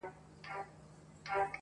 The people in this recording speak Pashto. ادبي مجلسونه دا کيسه يادوي تل،